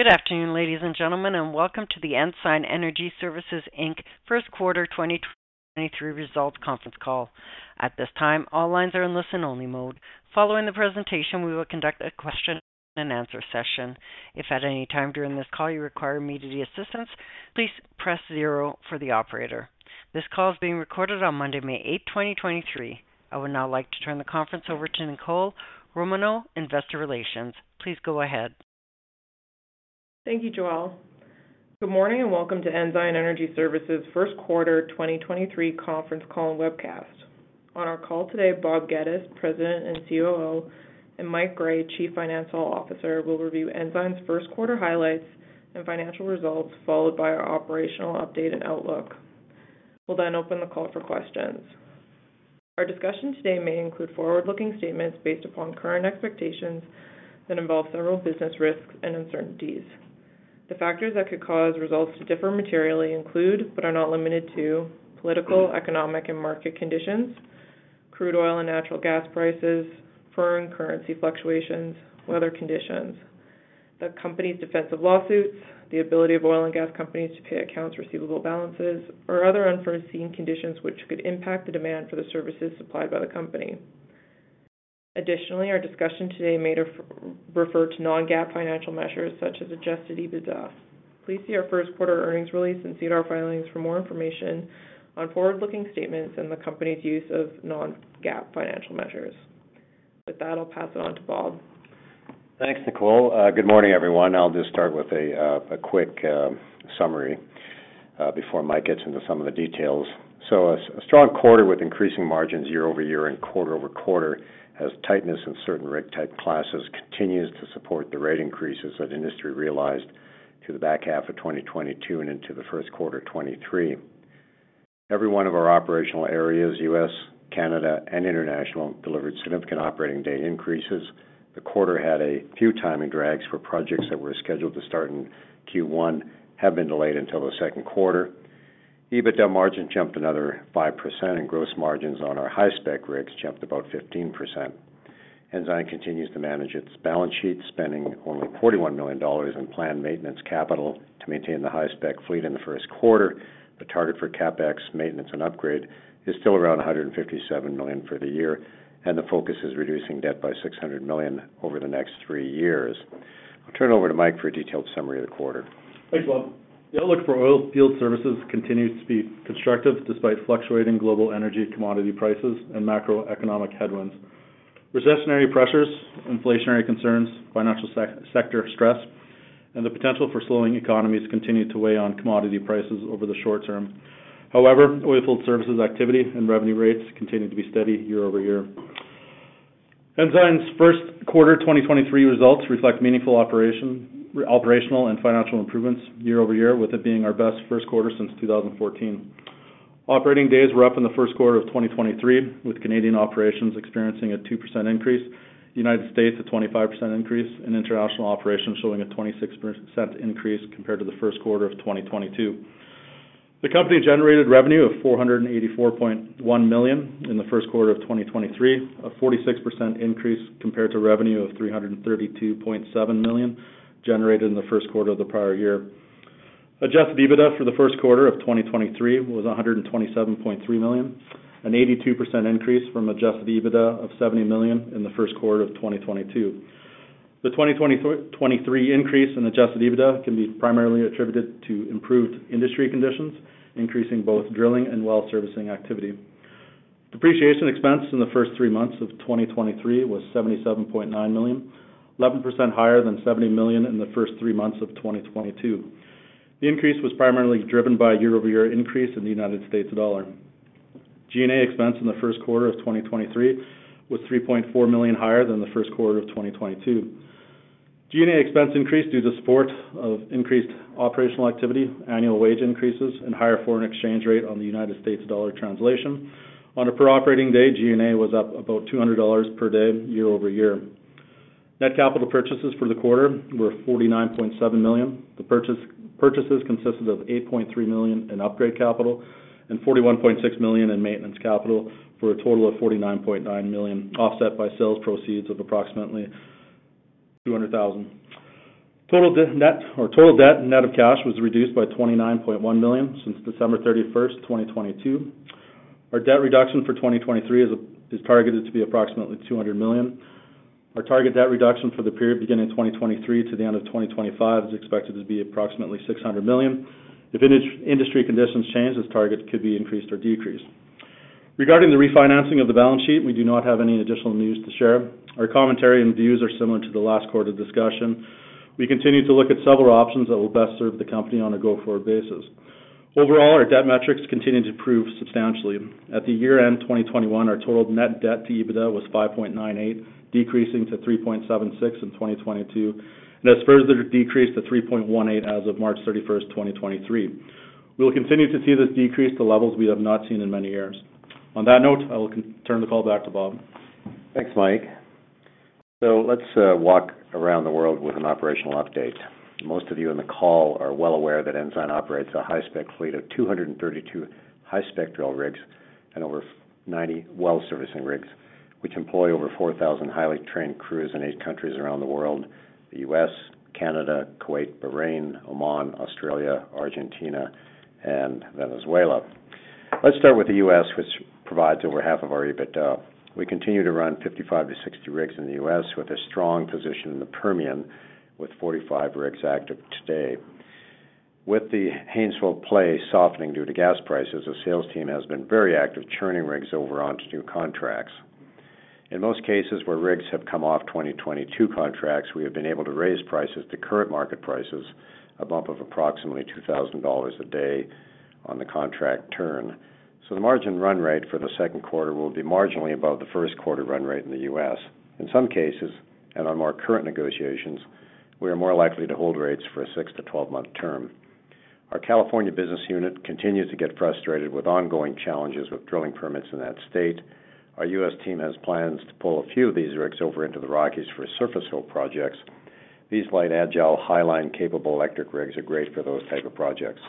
Good afternoon, ladies and gentlemen, and welcome to the Ensign Energy Services Inc. first quarter 2023 results conference call. At this time, all lines are in listen-only mode. Following the presentation, we will conduct a question and answer session. If at any time during this call you require immediate assistance, please press zero for the operator. This call is being recorded on Monday, May 8th, 2023. I would now like to turn the conference over to Nicole Romanow, Investor Relations. Please go ahead. Thank you, Joelle. Good morning and welcome to Ensign Energy Services first quarter 2023 conference call and webcast. On our call today, Bob Geddes, President and COO, and Mike Gray, Chief Financial Officer, will review Ensign's first quarter highlights and financial results, followed by our operational update and outlook. We'll then open the call for questions. Our discussion today may include forward-looking statements based upon current expectations that involve several business risks and uncertainties. The factors that could cause results to differ materially include, but are not limited to, political, economic, and market conditions, crude oil and natural gas prices, foreign currency fluctuations, weather conditions, the company's defensive lawsuits, the ability of oil and gas companies to pay accounts receivable balances, or other unforeseen conditions which could impact the demand for the services supplied by the company. Additionally, our discussion today may refer to non-GAAP financial measures such as adjusted EBITDA. Please see our first quarter earnings release and see our filings for more information on forward-looking statements and the company's use of non-GAAP financial measures. With that, I'll pass it on to Bob. Thanks, Nicole. Good morning, everyone. I'll just start with a quick summary before Mike gets into some of the details. A strong quarter with increasing margins year-over-year and quarter-over-quarter as tightness in certain rig type classes continues to support the rate increases that industry realized through the back half of 2022 and into the first quarter 2023. Every one of our operational areas, U.S., Canada, and International, delivered significant operating day increases. The quarter had a few timing drags for projects that were scheduled to start in Q1, have been delayed until the second quarter. EBITDA margin jumped another 5%, and gross margins on our high-spec rigs jumped about 15%. Ensign continues to manage its balance sheet, spending only 41 million dollars in planned maintenance capital to maintain the high-spec fleet in the first quarter. The target for CapEx maintenance and upgrade is still around 157 million for the year. The focus is reducing debt by 600 million over the next three years. I'll turn it over to Mike for a detailed summary of the quarter. Thanks, Bob. The outlook for oilfield services continues to be constructive despite fluctuating global energy commodity prices and macroeconomic headwinds. Recessionary pressures, inflationary concerns, financial sector stress, and the potential for slowing economies continue to weigh on commodity prices over the short term. However, oilfield services activity and revenue rates continue to be steady year-over-year. Ensign's first quarter 2023 results reflect meaningful operational and financial improvements year-over-year, with it being our best first quarter since 2014. Operating days were up in the first quarter of 2023, with Canadian operations experiencing a 2% increase, U.S. a 25% increase, and international operations showing a 26% increase compared to the first quarter of 2022. The company generated revenue of $484.1 million in the first quarter of 2023, a 46% increase compared to revenue of $332.7 million generated in the first quarter of the prior year. Adjusted EBITDA for the first quarter of 2023 was $127.3 million, an 82% increase from adjusted EBITDA of $70 million in the first quarter of 2022. The 2023 increase in adjusted EBITDA can be primarily attributed to improved industry conditions, increasing both drilling and well servicing activity. Depreciation expense in the first three months of 2023 was $77.9 million, 11% higher than $70 million in the first three months of 2022. The increase was primarily driven by a year-over-year increase in the United States dollar. G&A expense in the first quarter of 2023 was 3.4 million higher than the first quarter of 2022. G&A expense increased due to support of increased operational activity, annual wage increases, and higher foreign exchange rate on the United States dollar translation. On a per operating day, G&A was up about 200 dollars per day year-over-year. Net capital purchases for the quarter were 49.7 million. The purchases consisted of 8.3 million in upgrade capital and 41.6 million in maintenance capital, for a total of 49.9 million, offset by sales proceeds of approximately 200,000. Total debt net of cash was reduced by 29.1 million since December 31st, 2022. Our debt reduction for 2023 is targeted to be approximately 200 million. Our target debt reduction for the period beginning 2023 to the end of 2025 is expected to be approximately 600 million. If industry conditions change, this target could be increased or decreased. Regarding the refinancing of the balance sheet, we do not have any additional news to share. Our commentary and views are similar to the last quarter discussion. We continue to look at several options that will best serve the company on a go-forward basis. Overall, our debt metrics continue to improve substantially. At the year-end 2021, our total net debt to EBITDA was 5.98, decreasing to 3.76 in 2022, and has further decreased to 3.18 as of March 31st, 2023. We'll continue to see this decrease to levels we have not seen in many years. On that note, I will turn the call back to Bob. Thanks, Mike. Let's walk around the world with an operational update. Most of you on the call are well aware that Ensign operates a high-spec fleet of 232 high-spec drill rigs and over 90 well servicing rigs, which employ over 4,000 highly trained crews in eight countries around the world, the U.S., Canada, Kuwait, Bahrain, Oman, Australia, Argentina, and Venezuela. Let's start with the U.S., which provides over half of our EBITDA. We continue to run 55-60 rigs in the U.S. with a strong position in the Permian with 45 rigs active today. With the Haynesville play softening due to gas prices, the sales team has been very active, churning rigs over onto new contracts. In most cases where rigs have come off 2022 contracts, we have been able to raise prices to current market prices, a bump of approximately $2,000 a day on the contract turn. The margin run rate for the second quarter will be marginally above the first quarter run rate in the U.S. In some cases, and on more current negotiations, we are more likely to hold rates for a six-12 month term. Our California business unit continues to get frustrated with ongoing challenges with drilling permits in that state. Our U.S. team has plans to pull a few of these rigs over into the Rockies for surface hole projects. These light, agile, highline capable electric rigs are great for those type of projects.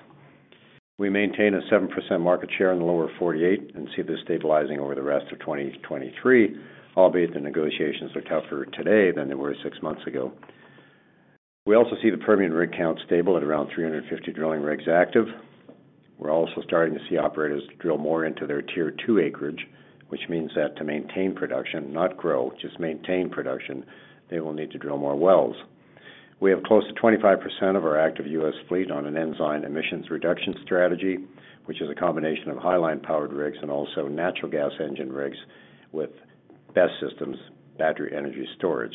We maintain a 7% market share in the lower 48 and see this stabilizing over the rest of 2023, albeit the negotiations are tougher today than they were six months ago. We also see the Permian rig count stable at around 350 drilling rigs active. We're also starting to see operators drill more into their Tier 2 acreage, which means that to maintain production, not grow, just maintain production, they will need to drill more wells. We have close to 25% of our active U.S. fleet on an Edge emissions reduction strategy, which is a combination of highline powered rigs and also natural gas engine rigs with BESS systems, battery energy storage.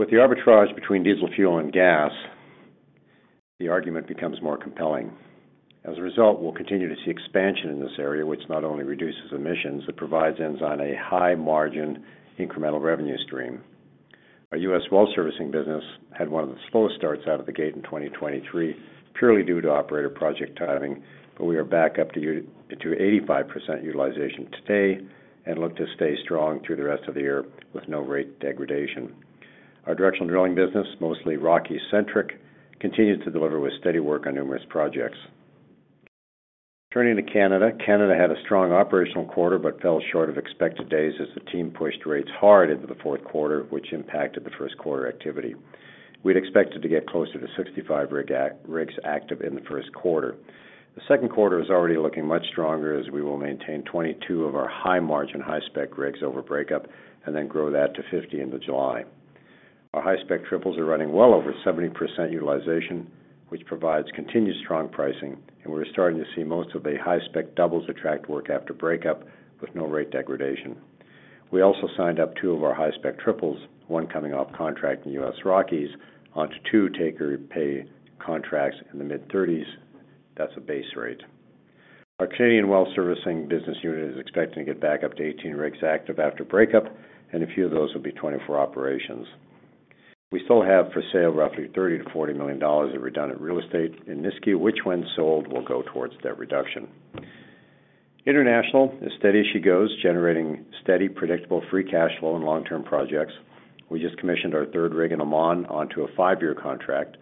With the arbitrage between diesel fuel and gas, the argument becomes more compelling. As a result, we'll continue to see expansion in this area, which not only reduces emissions, it provides Ensign a high-margin incremental revenue stream. Our U.S. well servicing business had one of the slowest starts out of the gate in 2023, purely due to operator project timing, but we are back up to 85% utilization today and look to stay strong through the rest of the year with no rate degradation. Our directional drilling business, mostly Rocky-centric, continues to deliver with steady work on numerous projects. Turning to Canada. Canada had a strong operational quarter but fell short of expected days as the team pushed rates hard into the fourth quarter, which impacted the first quarter activity. We'd expected to get closer to 65 rigs active in the first quarter. The second quarter is already looking much stronger as we will maintain 22 of our high margin, high-spec rigs over breakup. Then grow that to 50 into July. Our high-spec triples are running well over 70% utilization, which provides continued strong pricing. We're starting to see most of the high-spec doubles attract work after breakup with no rate degradation. We also signed up two of our high-spec triples, one coming off contract in U.S. Rockies, onto two take or pay contracts in the mid-30s. That's a base rate. Our Canadian well servicing business unit is expecting to get back up to 18 rigs active after breakup. A few of those will be 24 operations. We still have for sale roughly 30 million-40 million dollars of redundant real estate in Nisku, which when sold, will go towards debt reduction. International is steady as she goes, generating steady, predictable free cash flow and long-term projects. We just commissioned our third rig in Oman onto a five-year contract.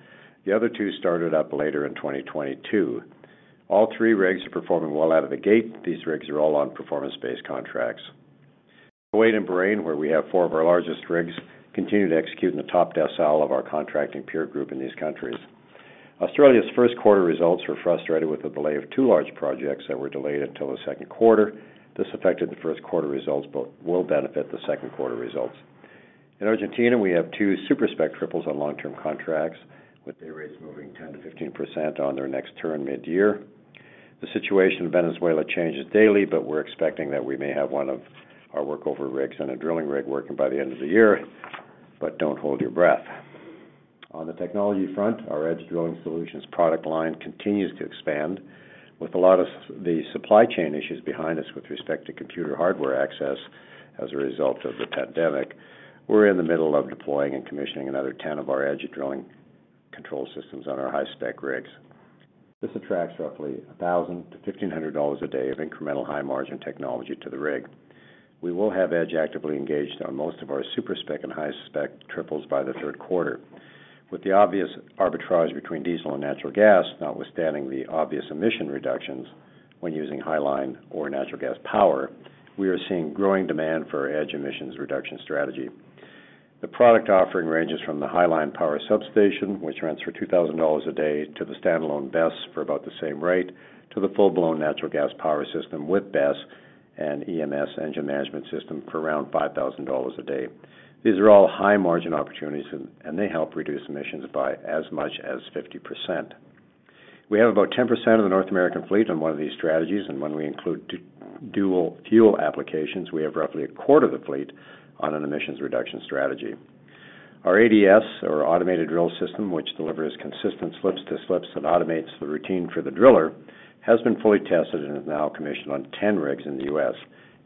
The other two started up later in 2022. All three rigs are performing well out of the gate. These rigs are all on performance-based contracts. Kuwait and Bahrain, where we have four of our largest rigs, continue to execute in the top decile of our contracting peer group in these countries. Australia's first quarter results were frustrated with the delay of two large projects that were delayed until the second quarter. This affected the first quarter results, but will benefit the second quarter results. In Argentina, we have two super-spec triples on long-term contracts with day rates moving 10%-15% on their next turn mid-year. The situation in Venezuela changes daily, we're expecting that we may have one of our workover rigs and a drilling rig working by the end of the year, but don't hold your breath. On the technology front, our Edge Drilling Solutions product line continues to expand. With a lot of the supply chain issues behind us with respect to computer hardware access as a result of the pandemic, we're in the middle of deploying and commissioning another 10 of our Edge drilling control systems on our high-spec rigs. This attracts roughly $1,000-$1,500 a day of incremental high-margin technology to the rig. We will have EDGE actively engaged on most of our super-spec and high-spec triples by the third quarter. With the obvious arbitrage between diesel and natural gas, notwithstanding the obvious emission reductions when using highline or natural gas power, we are seeing growing demand for Edge emissions reduction strategy. The product offering ranges from the highline power substation, which rents for 2,000 dollars a day, to the standalone BESS for about the same rate, to the full-blown natural gas power system with BESS and EMS, engine management system, for around 5,000 dollars a day. These are all high-margin opportunities and they help reduce emissions by as much as 50%. We have about 10% of the North American fleet on one of these strategies, and when we include dual fuel applications, we have roughly a quarter of the fleet on an emissions reduction strategy. Our ADS, or automated drill system, which delivers consistent slips-to-slips and automates the routine for the driller, has been fully tested and is now commissioned on 10 rigs in the U.S.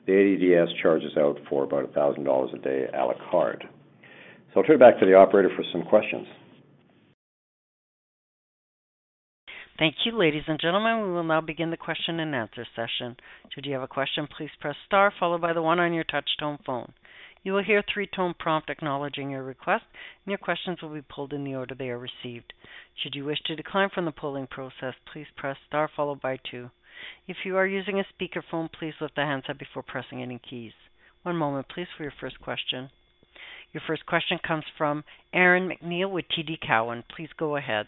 The ADS charges out for about $1,000 a day, à la carte. I'll turn it back to the operator for some questions. Thank you. Ladies and gentlemen, we will now begin the question and answer session. If you have a question, please press star followed by one on your touch tone phone. You will hear a three-tone prompt acknowledging your request, and your questions will be pulled in the order they are received. Should you wish to decline from the polling process, please press star followed by two. If you are using a speakerphone, please lift the handset before pressing any keys. One moment please for your first question. Your first question comes from Aaron MacNeil with TD Cowen. Please go ahead.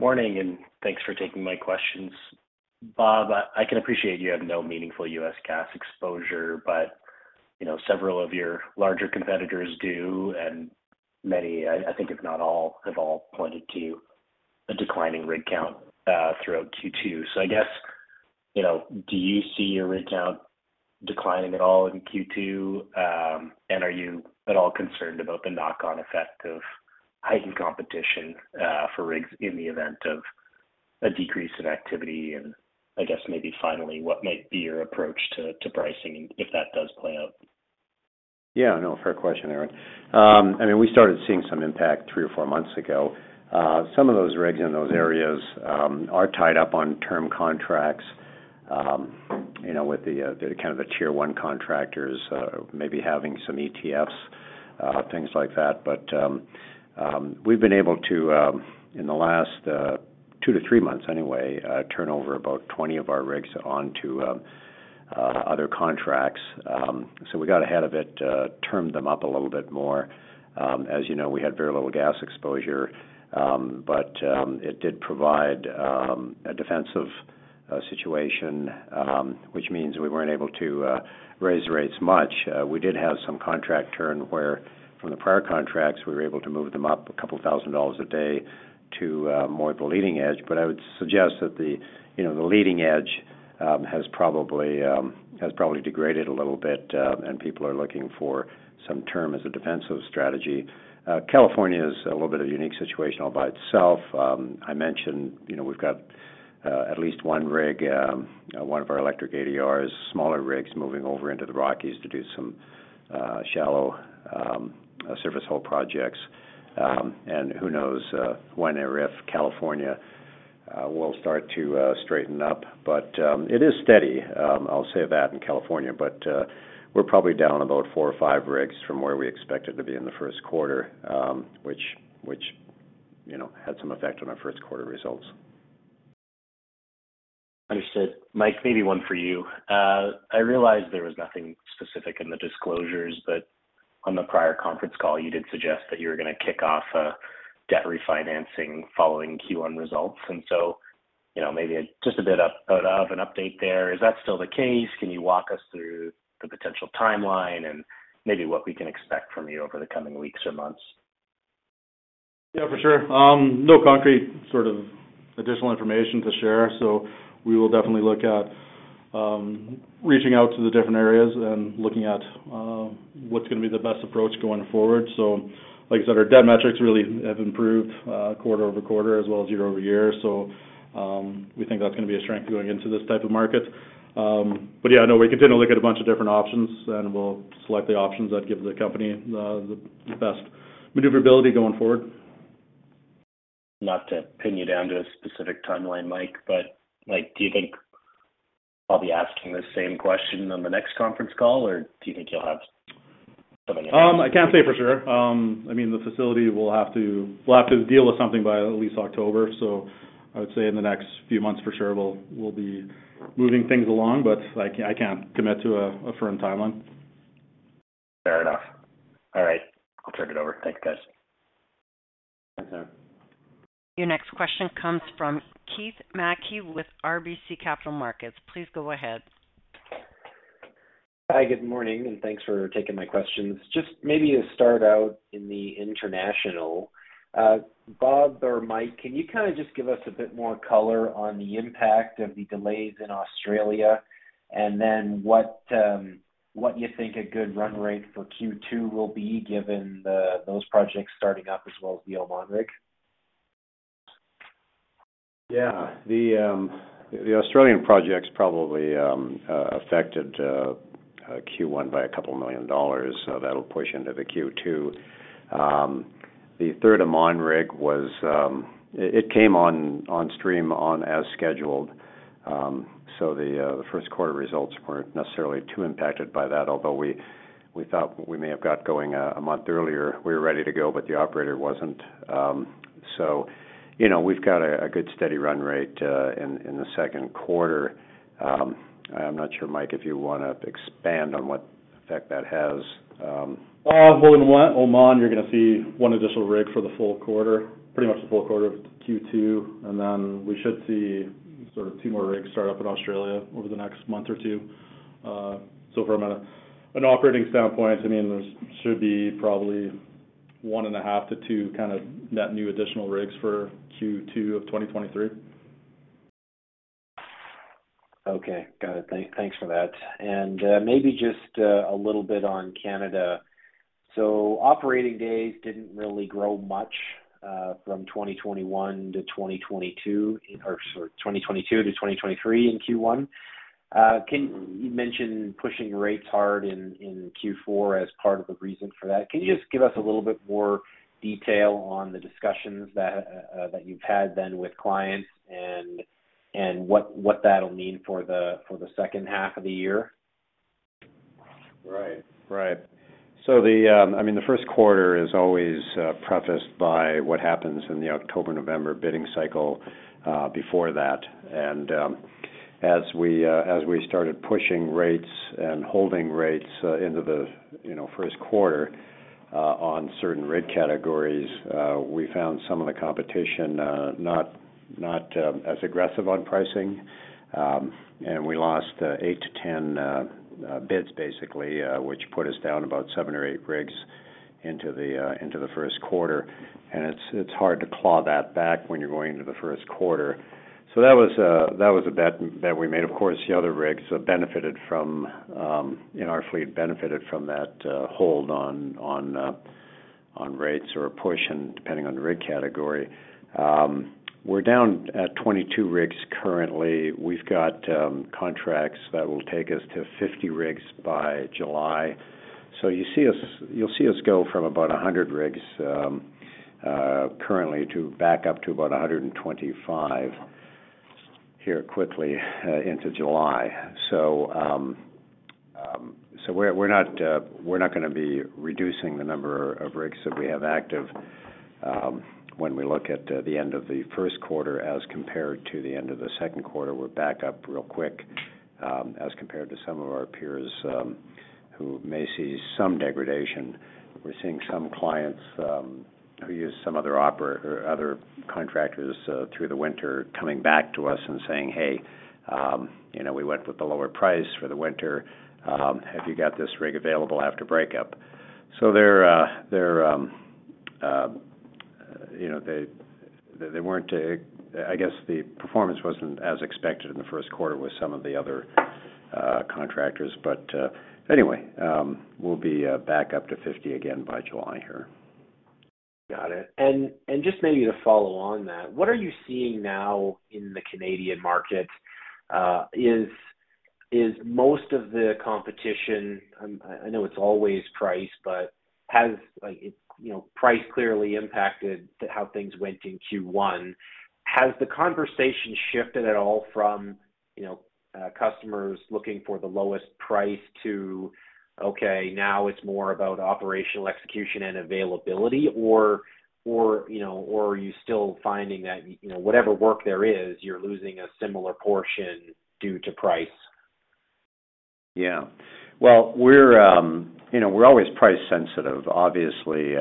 Morning. Thanks for taking my questions. Bob, I can appreciate you have no meaningful U.S. gas exposure, but, you know, several of your larger competitors do, and many, I think if not all, have all pointed to a declining rig count throughout Q2. I guess, you know, do you see your rig count declining at all in Q2? Are you at all concerned about the knock-on effect of heightened competition for rigs in the event of a decrease in activity? I guess maybe finally, what might be your approach to pricing if that does play out? Yeah, no, fair question, Aaron. I mean, we started seeing some impact three or four months ago. Some of those rigs in those areas are tied up on term contracts, you know, with the kind of a Tier 1 contractors, maybe having some ETFs, things like that. We've been able to in the last two to three months anyway, turn over about 20 of our rigs onto other contracts. We got ahead of it, termed them up a little bit more. As you know, we had very little gas exposure, it did provide a defensive situation, which means we weren't able to raise rates much. We did have some contract turn where from the prior contracts, we were able to move them up a couple 1,000 dollars a day to more of a leading edge. I would suggest that the, you know, the leading edge has probably degraded a little bit, and people are looking for some term as a defensive strategy. California is a little bit of a unique situation all by itself. I mentioned, you know, we've got at least one rig, one of our electric ADRs, smaller rigs moving over into the Rockies to do some shallow surface hole projects. Who knows when or if California will start to straighten up. It is steady, I'll say that in California, but we're probably down about four or five rigs from where we expected to be in the first quarter, which, you know, had some effect on our first quarter results. Understood. Mike, maybe one for you. I realized there was nothing specific in the disclosures, but on the prior conference call, you did suggest that you were going to kick off a debt refinancing following Q1 results. You know, maybe just a bit of an update there. Is that still the case? Can you walk us through the potential timeline and maybe what we can expect from you over the coming weeks or months? Yeah, for sure. No concrete sort of additional information to share. We will definitely look at reaching out to the different areas and looking at what's gonna be the best approach going forward. Like I said, our debt metrics really have improved quarter-over-quarter as well as year-over-year. We think that's gonna be a strength going into this type of market. But yeah, I know we continue to look at a bunch of different options, and we'll select the options that give the company the best maneuverability going forward. Not to pin you down to a specific timeline, Mike, but, like, do you think I'll be asking the same question on the next conference call, or do you think you'll have something else? I can't say for sure. I mean, the facility we'll have to deal with something by at least October. I would say in the next few months for sure, we'll be moving things along, but I can't commit to a firm timeline. Fair enough. All right. I'll turn it over. Thank you, guys. Thanks, Aaron. Your next question comes from Keith Mackey with RBC Capital Markets. Please go ahead. Hi, good morning. Thanks for taking my questions. Maybe to start out in the international, Bob or Mike, can you kinda just give us a bit more color on the impact of the delays in Australia? What you think a good run rate for Q2 will be given those projects starting up as well as the Oman rig? The Australian projects probably affected Q1 by $2 million, so that'll push into the Q2. The third Oman rig was it came on stream on as scheduled. The first quarter results weren't necessarily too impacted by that, although we thought we may have got going a month earlier. We were ready to go, but the operator wasn't. You know, we've got a good steady run rate in the second quarter. I'm not sure, Mike Gray, if you wanna expand on what effect that has. Well, in Oman, you're gonna see one additional rig for the full quarter, pretty much the full quarter of Q2, and then we should see sort of two more rigs start up in Australia over the next month or two. From an operating standpoint, I mean, there should be probably 1.5-2 kinda net new additional rigs for Q2 of 2023. Okay. Got it. Thanks for that. Maybe just a little bit on Canada. Operating days didn't really grow much from 2021 to 2022 or, sorry, 2022 to 2023 in Q1. You mentioned pushing rates hard in Q4 as part of the reason for that. Can you just give us a little bit more detail on the discussions that you've had then with clients and what that'll mean for the second half of the year? Right. Right. I mean, the first quarter is always prefaced by what happens in the October, November bidding cycle before that. As we started pushing rates and holding rates into the, you know, first quarter on certain rig categories, we found some of the competition not as aggressive on pricing, and we lost eight to 10 bids basically, which put us down about seven or eight rigs into the first quarter. It's hard to claw that back when you're going into the first quarter. That was a bet we made. Of course, the other rigs benefited from, you know, our fleet benefited from that, hold on rates or a push and depending on the rig category. We're down at 22 rigs currently. We've got contracts that will take us to 50 rigs by July. You'll see us go from about 100 rigs currently to back up to about 125 here quickly into July. We're, we're not gonna be reducing the number of rigs that we have active when we look at the end of the first quarter as compared to the end of the second quarter. We're back up real quick as compared to some of our peers who may see some degradation. We're seeing some clients, who use some other or other contractors, through the winter coming back to us and saying, "Hey, you know, we went with the lower price for the winter. Have you got this rig available after breakup?" They're, you know, they weren't, I guess the performance wasn't as expected in the first quarter with some of the other contractors. Anyway, we'll be back up to 50 again by July here. Got it. Just maybe to follow on that, what are you seeing now in the Canadian market? Is most of the competition... I know it's always price, but has, like, it's, you know, price clearly impacted how things went in Q1. Has the conversation shifted at all from, you know, customers looking for the lowest price to, okay, now it's more about operational execution and availability? Or, you know, are you still finding that, you know, whatever work there is, you're losing a similar portion due to price? Yeah. Well, we're, you know, we're always price sensitive. Obviously,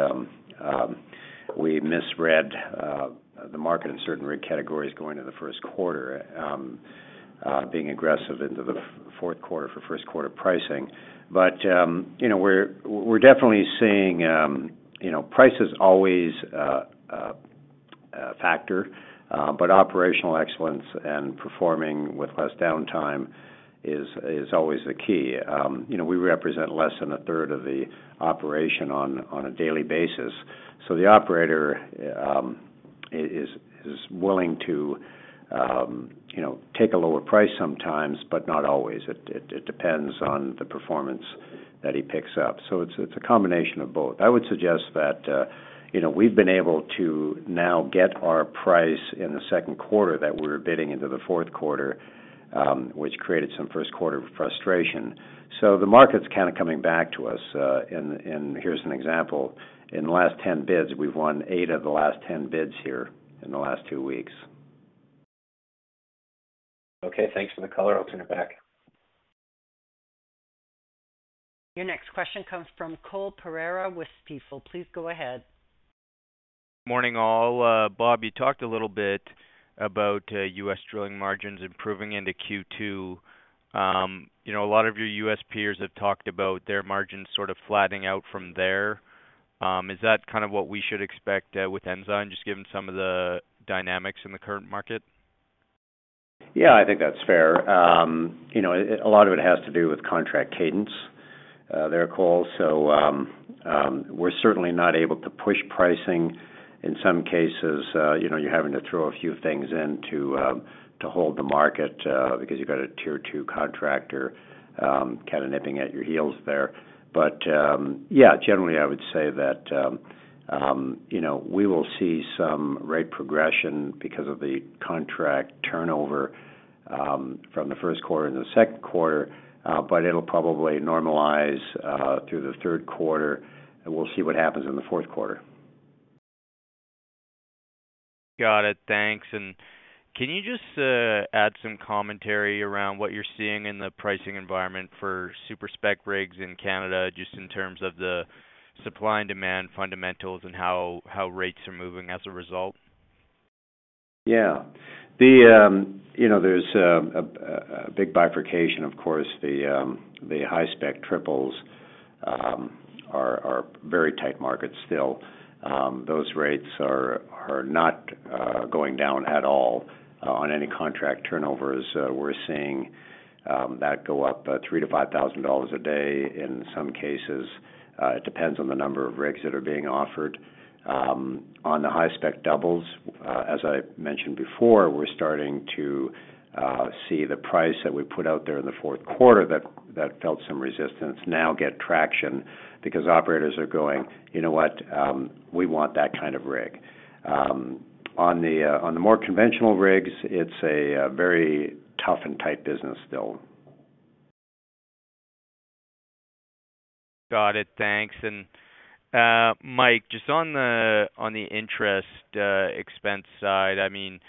we misread the market in certain rig categories going into the fourth quarter for first quarter pricing. You know, we're definitely seeing, you know, price is always a factor, but operational excellence and performing with less downtime is always the key. You know, we represent less than a third of the operation on a daily basis, so the operator is willing to, you know, take a lower price sometimes, but not always. It depends on the performance that he picks up. It's a combination of both. I would suggest that, you know, we've been able to now get our price in the second quarter that we're bidding into the fourth quarter, which created some first quarter frustration. The market's kind of coming back to us. Here's an example. In the last 10 bids, we've won eight of the last 10 bids here in the last two weeks. Okay, thanks for the color. I'll turn it back. Your next question comes from Cole Pereira with Stifel. Please go ahead. Morning, all. Bob, you talked a little bit about U.S. drilling margins improving into Q2. You know, a lot of your U.S. peers have talked about their margins sort of flattening out from there. Is that kind of what we should expect with Ensign, just given some of the dynamics in the current market? I think that's fair. You know, a lot of it has to do with contract cadence there, Cole. We're certainly not able to push pricing. In some cases, you know, you're having to throw a few things in to hold the market, because you've got a Tier 2 contractor, kind of nipping at your heels there. Generally, I would say that, you know, we will see some rate progression because of the contract turnover from the first quarter into the second quarter, but it'll probably normalize through the third quarter, and we'll see what happens in the fourth quarter. Got it. Thanks. Can you just add some commentary around what you're seeing in the pricing environment for super-spec rigs in Canada, just in terms of the supply and demand fundamentals and how rates are moving as a result? Yeah. The, you know, there's a big bifurcation, of course, the high spec triples are very tight markets still. Those rates are not going down at all on any contract turnovers. We're seeing that go up $3,000-$5,000 a day in some cases. It depends on the number of rigs that are being offered. On the high spec doubles, as I mentioned before, we're starting to see the price that we put out there in the fourth quarter that felt some resistance now get traction because operators are going, "You know what? We want that kind of rig." On the more conventional rigs, it's a very tough and tight business still. Got it. Thanks. Mike, just on the, on the interest, expense side, I mean,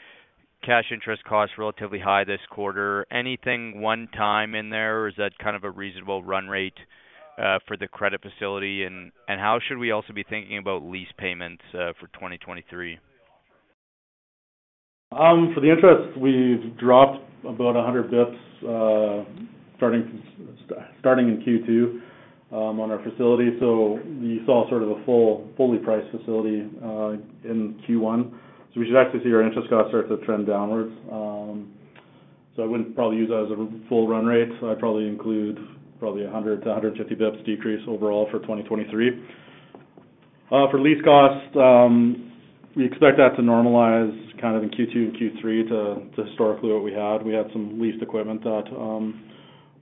cash interest costs relatively high this quarter. Anything one-time in there, or is that kind of a reasonable run rate for the credit facility? How should we also be thinking about lease payments for 2023? For the interest, we've dropped about 100 basis points, starting in Q2, on our facility. We saw sort of a full, fully priced facility in Q1. We should actually see our interest costs start to trend downwards. I wouldn't probably use that as a full run rate. I'd probably include probably 100-150 basis points decrease overall for 2023. For lease costs, we expect that to normalize kind of in Q2 and Q3 to historically what we had. We had some leased equipment that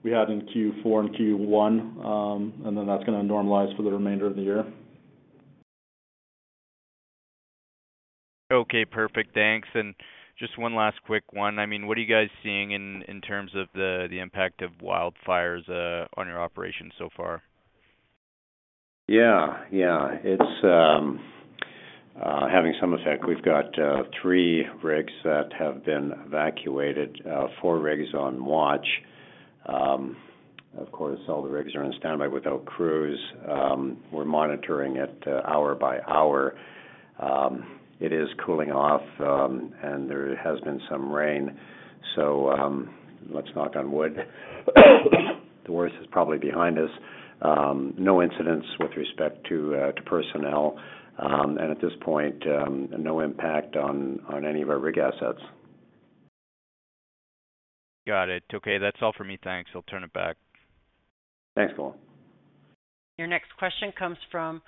we had in Q4 and Q1, that's gonna normalize for the remainder of the year. Okay. Perfect. Thanks. Just one last quick one. I mean, what are you guys seeing in terms of the impact of wildfires on your operations so far? Yeah. Yeah. It's having some effect. We've got three rigs that have been evacuated, four rigs on watch. Of course, all the rigs are on standby without crews. We're monitoring it hour by hour. It is cooling off, and there has been some rain. Let's knock on wood. The worst is probably behind us. No incidents with respect to personnel. At this point, no impact on any of our rig assets. Got it. Okay. That's all for me. Thanks. I'll turn it back. Thanks, Cole. Your next question comes from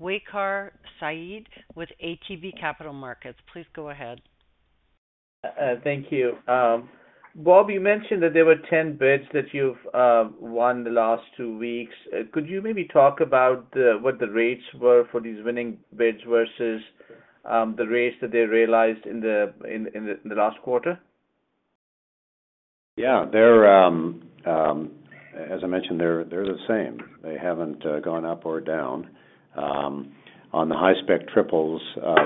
Waqar Syed with ATB Capital Markets. Please go ahead. Thank you. Bob, you mentioned that there were 10 bids that you've won the last two weeks. Could you maybe talk about what the rates were for these winning bids versus the rates that they realized in the last quarter? Yeah. They're, as I mentioned, they're the same. They haven't gone up or down. On the high-spec triples,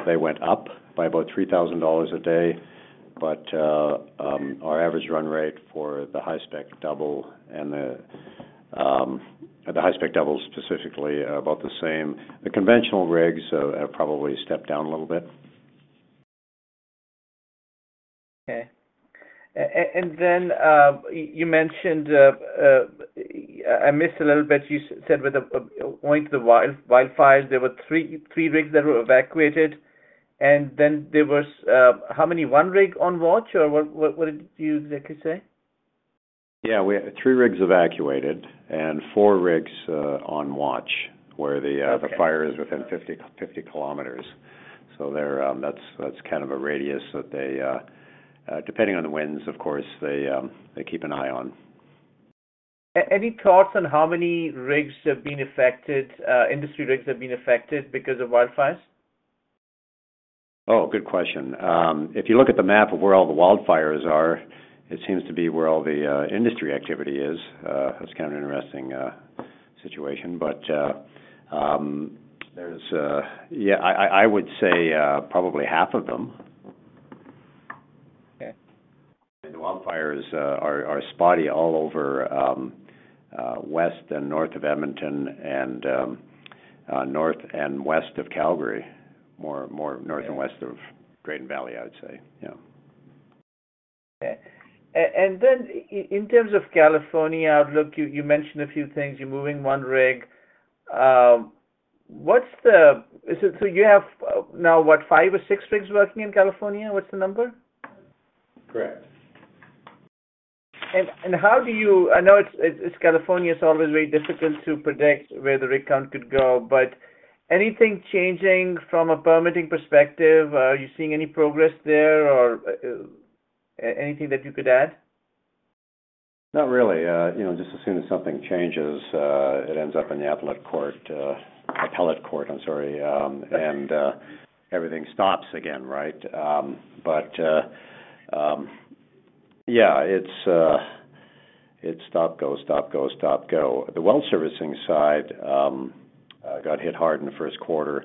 they went up by about $3,000 a day. Our average run rate for the high-spec double and the high-spec doubles, specifically are about the same. The conventional rigs have probably stepped down a little bit. Okay. Then you mentioned. I missed a little bit. You said owing to the wildfires, there were three rigs that were evacuated, and then there was how many? One rig on watch, or what did you exactly say? Yeah, we had three rigs evacuated and four rigs, on watch, where the. Okay. the fire is within 50 km. They're. That's kind of a radius that they, depending on the winds, of course, they keep an eye on. Any thoughts on how many rigs have been affected, industry rigs have been affected because of wildfires? Good question. If you look at the map of where all the wildfires are, it seems to be where all the industry activity is. That's kind of an interesting situation. There's, yeah, I would say probably half of them. Okay. The wildfires are spotty all over, west and north of Edmonton and, north and west of Calgary, more north and west of Grande Prairie, I would say, yeah. Okay. Then in terms of California outlook, you mentioned a few things. You're moving one rig. You have now, what, five or six rigs working in California? What's the number? Correct. I know it's California, it's always very difficult to predict where the rig count could go, but anything changing from a permitting perspective? Are you seeing any progress there, or anything that you could add? Not really. You know, just as soon as something changes, it ends up in the appellate court, I'm sorry. Everything stops again, right? Yeah, it's stop, go, stop, go, stop, go. The well servicing side got hit hard in the first quarter.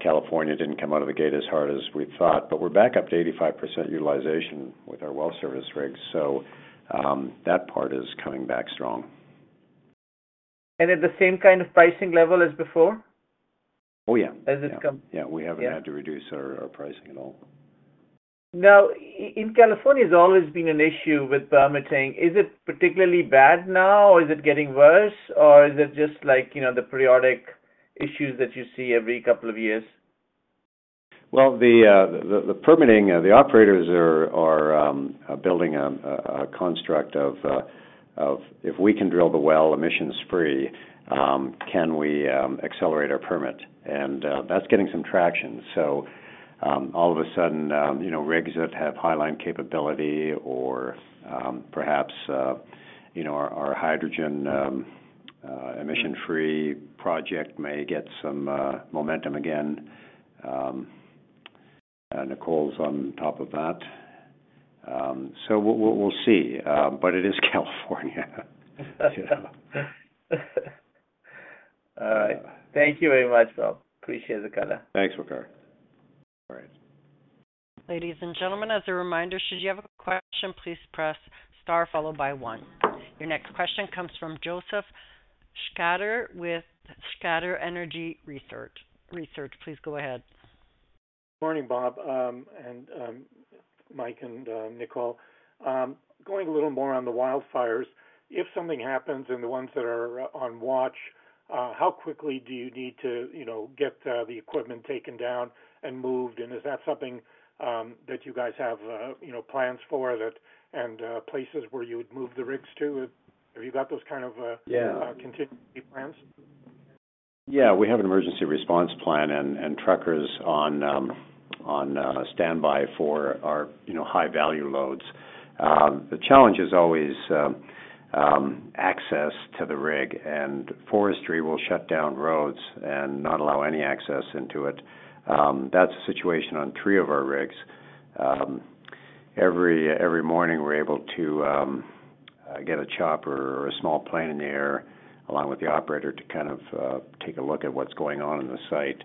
California didn't come out of the gate as hard as we thought. We're back up to 85% utilization with our well service rigs. That part is coming back strong. At the same kind of pricing level as before? Oh, yeah. As it come- We haven't had to reduce our pricing at all. Now, in California, it's always been an issue with permitting. Is it particularly bad now, or is it getting worse, or is it just like, you know, the periodic issues that you see every couple of years? The permitting, the operators are building a construct of if we can drill the well emissions free, can we accelerate our permit? That's getting some traction. All of a sudden, you know, rigs that have highline capability or, perhaps, you know, our hydrogen emission free project may get some momentum again. Nicole's on top of that. We'll see. It is California. All right. Thank you very much, Bob. Appreciate the call. Thanks, Waqar Syed. Ladies and gentlemen, as a reminder, should you have a question, please press star followed by one. Your next question comes from Josef Schachter with Schachter Energy Research. Please go ahead. Morning, Bob Geddes, and Mike Gray and Nicole Romanow. Going a little more on the wildfires, if something happens and the ones that are on watch, how quickly do you need to, you know, get the equipment taken down and moved? Is that something that you guys have, you know, plans for that and places where you would move the rigs to? Have you got those kind of- Yeah. contingency plans? Yeah. We have an emergency response plan and truckers on standby for our, you know, high-value loads. The challenge is always access to the rig, and forestry will shut down roads and not allow any access into it. That's the situation on three of our rigs. Every morning, we're able to get a chopper or a small plane in the air, along with the operator to kind of take a look at what's going on in the site.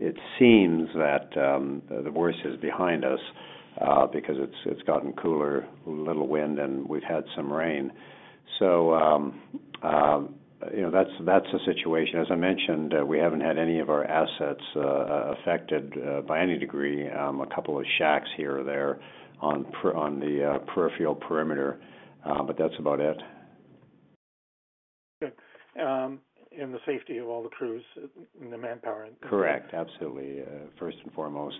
It seems that the worst is behind us because it's gotten cooler, a little wind, and we've had some rain. You know, that's the situation. As I mentioned, we haven't had any of our assets affected by any degree. A couple of shacks here or there on the peripheral perimeter, but that's about it. Good. The safety of all the crews and the manpower. Correct. Absolutely. First and foremost.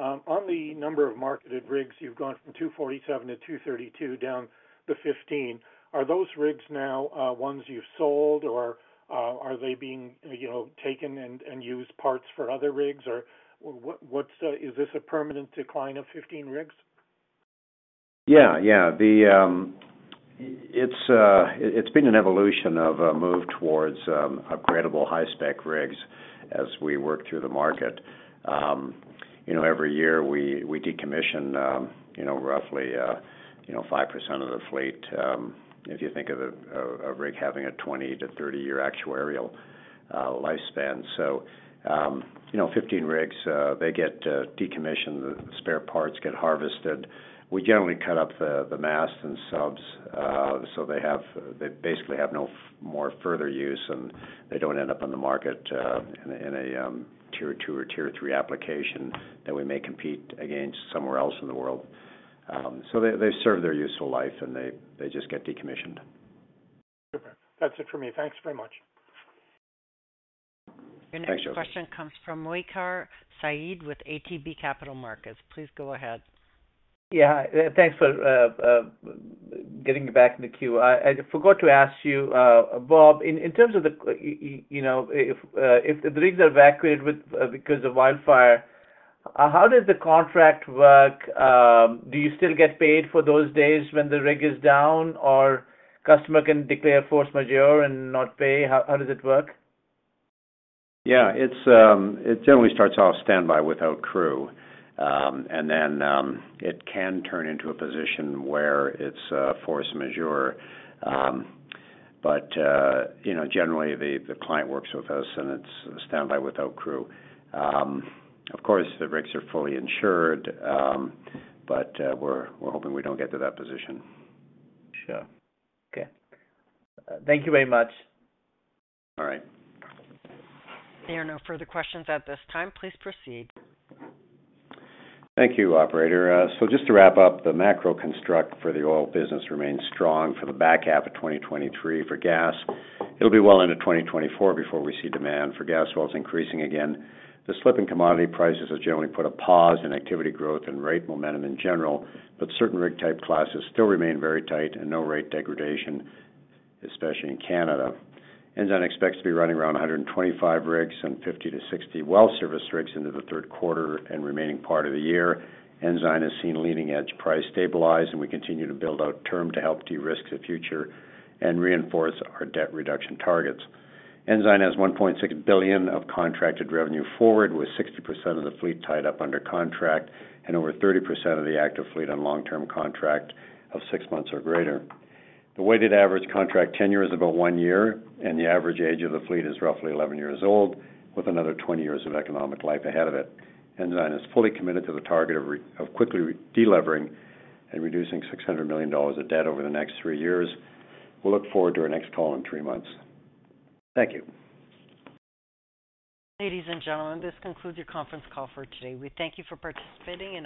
On the number of marketed rigs, you've gone from 247-232 down to 15. Are those rigs now, ones you've sold or, are they being, taken and used parts for other rigs? What's, is this a permanent decline of 15 rigs? The, it's been an evolution of a move towards upgradable high-spec rigs as we work through the market. You know, every year we decommission, you know, roughly, you know, 5% of the fleet, if you think of a rig having a 20-30-year actuarial lifespan. You know, 15 rigs, they get decommissioned, spare parts get harvested. We generally cut up the masts and subs, so they basically have no further use, and they don't end up on the market in a Tier 2 or Tier 3 application that we may compete against somewhere else in the world. They serve their useful life, and they just get decommissioned. Okay. That's it for me. Thanks very much. Thanks, Joseph. Your next question comes from Waqar Syed with ATB Capital Markets. Please go ahead. Thanks for getting me back in the queue. I forgot to ask you, Bob, in terms of the you know, if the rigs are evacuated with because of wildfire, how does the contract work? Do you still get paid for those days when the rig is down or customer can declare force majeure and not pay? How does it work? Yeah, it's, it generally starts off standby without crew. It can turn into a position where it's force majeure. You know, generally the client works with us and it's standby without crew. Of course, the rigs are fully insured, we're hoping we don't get to that position. Sure. Okay. Thank you very much. All right. There are no further questions at this time. Please proceed. Thank you, operator. Just to wrap up, the macro construct for the oil business remains strong for the back half of 2023. For gas, it'll be well into 2024 before we see demand for gas wells increasing again. The slip in commodity prices has generally put a pause in activity growth and rate momentum in general, certain rig type classes still remain very tight and no rate degradation, especially in Canada. Ensign expects to be running around 125 rigs and 50-60 well service rigs into the third quarter and remaining part of the year. Ensign has seen leading-edge price stabilize, we continue to build out term to help de-risk the future and reinforce our debt reduction targets. Ensign has 1.6 billion of contracted revenue forward, with 60% of the fleet tied up under contract and over 30% of the active fleet on long-term contract of six months or greater. The weighted average contract tenure is about one year. The average age of the fleet is roughly 11 years old, with another 20 years of economic life ahead of it. Ensign is fully committed to the target of quickly delevering and reducing 600 million dollars of debt over the next three years. We'll look forward to our next call in three months. Thank you. Ladies and gentlemen, this concludes your conference call for today. We thank you for participating and-